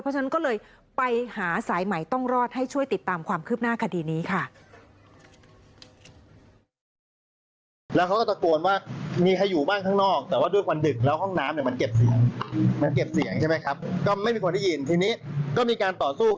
เพราะฉะนั้นก็เลยไปหาสายใหม่ต้องรอดให้ช่วยติดตามความคืบหน้าคดีนี้ค่ะ